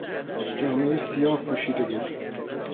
جامهی سیاه پوشیده بود.